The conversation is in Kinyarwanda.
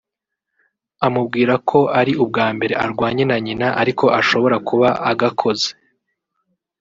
amubwira ko ari ubwa mbere arwanye na nyina ariko ashobora kuba agakoze